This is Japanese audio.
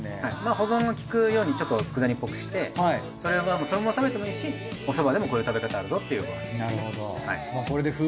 保存がきくようにちょっと佃煮っぽくしてそれはそのまま食べてもいいしおそばでもこういう食べ方あるぞっていうことですね。